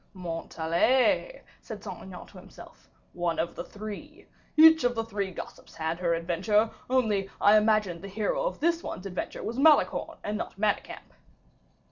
"Montalais," said Saint Aignan to himself, "one of the three. Each of the three gossips had her adventure, only I imagined the hero of this one's adventure was Malicorne and not Manicamp."